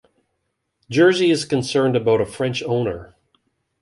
Jersey is concerned about a French owner.